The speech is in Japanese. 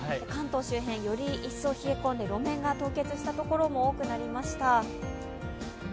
関東周辺、より一層冷え込んで路面が凍結したところも多くなりました。